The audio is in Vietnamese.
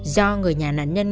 do người nhà nạn nhân